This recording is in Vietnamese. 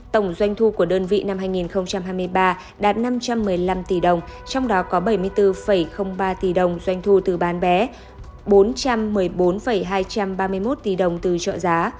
tổng doanh thu của đơn vị năm hai nghìn hai mươi ba đạt năm trăm một mươi năm tỷ đồng trong đó có bảy mươi bốn ba tỷ đồng doanh thu từ bán vé bốn trăm một mươi bốn hai trăm ba mươi một tỷ đồng từ trợ giá